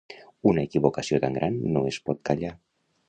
Una equivocació tan gran no es pot callar.